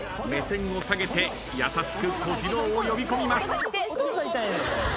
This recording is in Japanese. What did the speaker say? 目線を下げて優しく小次郎を呼びこみます。